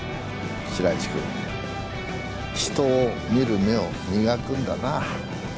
白石君人を見る目を磨くんだな。